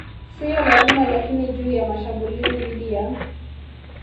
siyo lazima Lakini juu ya mashambulizi dhidi ya